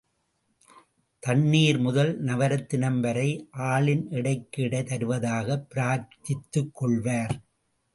தண்ணீர் முதல் நவரத்தினம் வரை, ஆளின் எடைக்கு எடை தருவதாகப் பிரார்த்தித்துக் கொள்வர்.